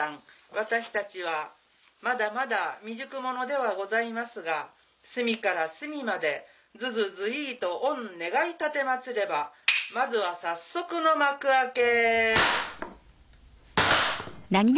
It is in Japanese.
私たちはまだまだ未熟者ではございますが隅から隅までずずずいっと御願い奉ればまずは早速の幕開け。